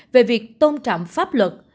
về việc tôn trọng pháp luật